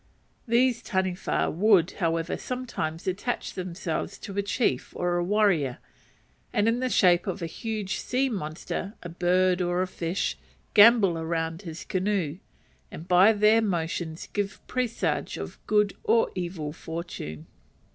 These Taniwha would, however, sometimes attach themselves to a chief or warrior, and in the shape of a huge sea monster, a bird, or a fish, gambol round his canoe, and by their motions give presage of good or evil fortune.